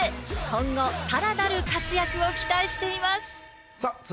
今後さらなる活躍を期待していますさあ